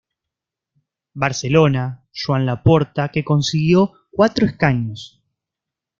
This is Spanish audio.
Barcelona, Joan Laporta, que consiguió cuatro escaños.